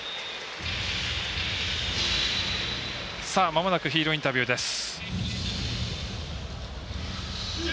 まもなくヒーローインタビューです。